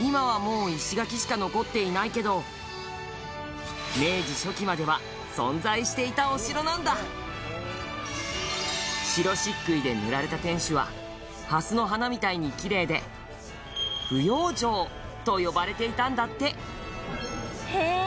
今は、もう石垣しか残っていないけど明治初期までは存在していたお城なんだ白漆喰で塗られた天守は蓮の花みたいにキレイで芙蓉城と呼ばれていたんだってへえー！